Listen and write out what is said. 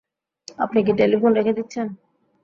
আপনি কি টেলিফোন রেখে দিচ্ছেন?